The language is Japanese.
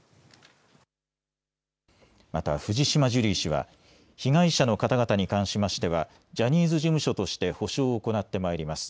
また藤島ジュリー氏は、被害者の方々に関しましては、ジャニーズ事務所として補償を行ってまいります。